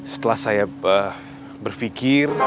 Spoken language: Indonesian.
setelah saya berfikir